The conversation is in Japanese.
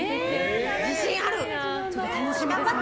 自信ある！